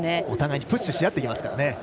お互いにプッシュし合いますからね。